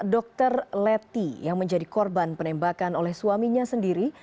dr leti yang menjadi korban penembakan oleh suaminya sendiri